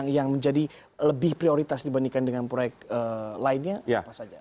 yang menjadi lebih prioritas dibandingkan dengan proyek lainnya apa saja